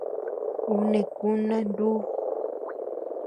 Ú neʼe kuna ndúu.